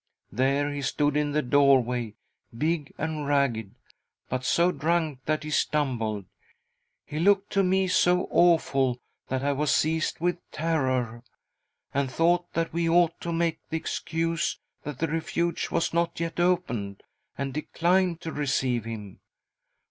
There he stood in the doorway, big and ragged, but so drunk that he stumbled. He looked to me so awful that I was seized with terror, and thought that we ought to make the excuse that the Refuge was not yet opened, and decline to receive him.